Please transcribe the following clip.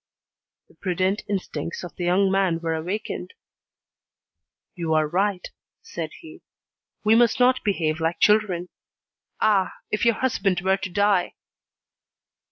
The prudent instincts of the young man were awakened. "You are right," said he. "We must not behave like children. Ah! if your husband were to die!"